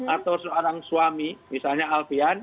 atau seorang suami misalnya alfian